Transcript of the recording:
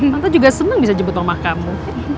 tante juga seneng bisa jemput mama kamu